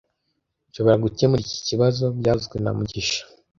Nshobora gukemura iki kibazo byavuzwe na mugisha